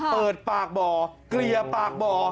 เปิดปากบ่อเกลี่ยปากบ่อ